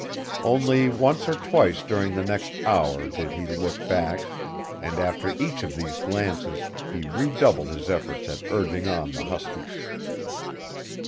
Only once or twice during the next hour did he look back, and after each of these glances he redoubled his efforts at urging on the huskies.